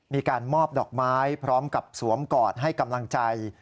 มีการมอบดอกไม้พร้อมกับสวมกอดให้กำลังใจ